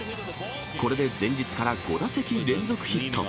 これで前日から５打席連続ヒット。